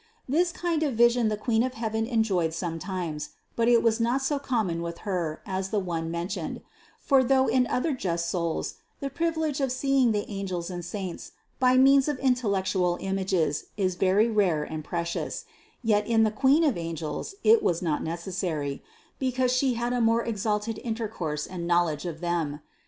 This kind of vision the Queen of heaven enjoyed sometimes, but it was not so common with Her as the one mentioned ; for though in other just souls the privilege of seeing the angels and saints by means of intellectual images is very rare and precious, yet in the Queen of angels it was not necessary, because She had a more exalted intercourse and knowl edge of them.